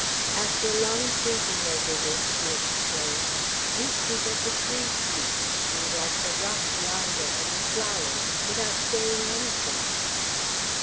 After long thinking over this, she exclaimed, "You speak as the trees speak, and like the rock yonder, and the flowers, without saying anything!"